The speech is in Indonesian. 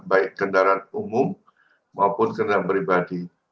baik kendaraan umum maupun kendaraan pribadi